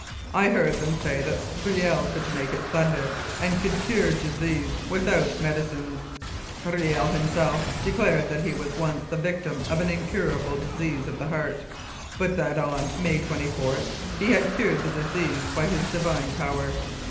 I heard them say that Riel could make it thunder and could cure disease without medicines. Riel himself declared that he was once the victim of an incurable disease of the heart, but that on May 24 he had cured the disease by his Divine power.